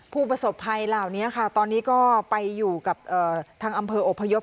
ผู้ประสบภัยเหล่านี้ค่ะตอนนี้ก็ไปอยู่กับทางอำเภออพยพ